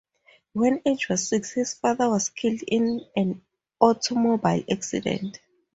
When Agee was six, his father was killed in an automobile accident.